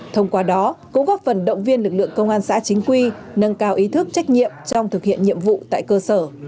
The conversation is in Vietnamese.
thông qua đó cũng góp phần động viên lực lượng công an xã chính quy nâng cao ý thức trách nhiệm trong thực hiện nhiệm vụ tại cơ sở